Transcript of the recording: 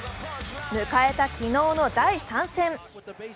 迎えた昨日の第３戦。